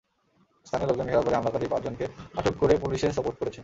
স্থানীয় লোকজন ঘেরাও করে হামলাকারী পাঁচজনকে আটক করে পুলিশে সোপর্দ করেছে।